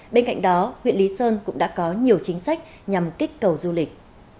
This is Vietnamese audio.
bên cạnh đó huyện lý sơn cũng đã có nhiều chính sách nhằm kích cầu du lịch